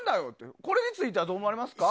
これについてはどう思われますか？